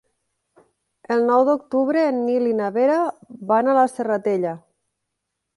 El nou d'octubre en Nil i na Vera van a la Serratella.